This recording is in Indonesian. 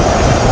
itu udah gila